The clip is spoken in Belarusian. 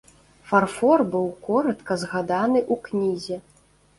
Фарфор быў коратка згаданы ў кнізе.